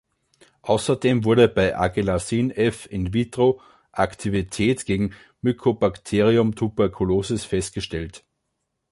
Außerdem wurde bei Agelasin-F in-vitro Aktivität gegen Mycobacterium tuberculosis festgestellt.